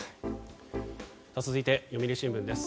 続いて、読売新聞です。